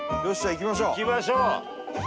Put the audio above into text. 行きましょう！